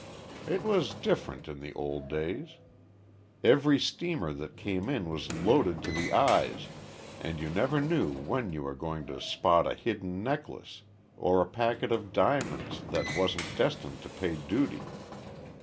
"It was different in the old days. Every steamer that came in was loaded to the eyes and you never knew when you were going to spot a hidden necklace or a packet of diamonds that wasn't destined to pay duty.